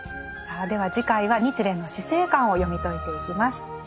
さあでは次回は日蓮の死生観を読み解いていきます。